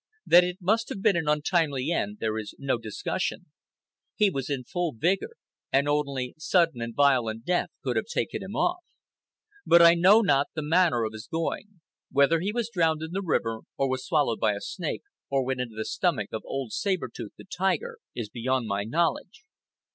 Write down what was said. That it must have been an untimely end, there is no discussion. He was in full vigor, and only sudden and violent death could have taken him off. But I know not the manner of his going—whether he was drowned in the river, or was swallowed by a snake, or went into the stomach of old Saber Tooth, the tiger, is beyond my knowledge.